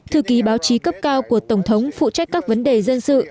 thư ký báo chí cấp cao của tổng thống phụ trách các vấn đề dân sự